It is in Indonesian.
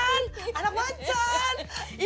ini apa sih